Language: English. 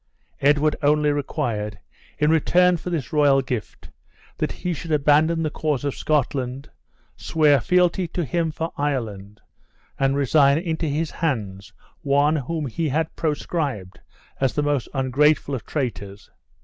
Edward only required, in return for this royal gift, that he should abandon the cause of Scotland, swear fealty to him for Ireland, and resign into his hands one whom he had proscribed as the most ungrateful of traitors.